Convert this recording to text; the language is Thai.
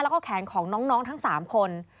แล้วก็แขนของน้องทั้ง๓คน